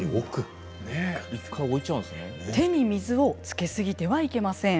手に水をつけすぎてはいけません。